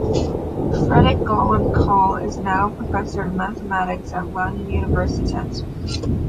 Fredrik "Gollum" Kahl is now professor in mathematics at Lunds universitet.